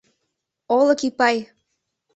Олык Ипай!